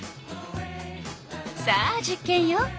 さあ実験よ。